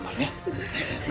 masuk ke kamar